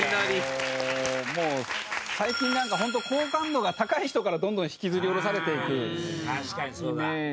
最近なんか本当好感度が高い人からどんどん引きずり下ろされていくイメージで。